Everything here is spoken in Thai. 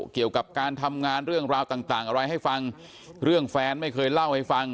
เกี่ยวกับการทำงานเรื่องราวต่างต่างอะไรให้ฟังเรื่องแฟนไม่เคยเล่าให้ฟัง